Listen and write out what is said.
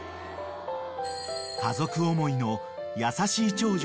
［家族思いの優しい長女］